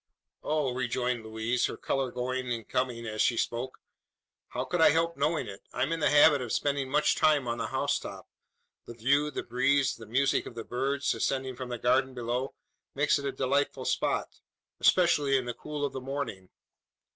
"Oh!" rejoined Louise, her colour going and coming as she spoke, "how could I help knowing it? I am in the habit of spending much time on the housetop. The view, the breeze, the music of the birds, ascending from the garden below, makes it a delightful spot especially in the cool of the morning.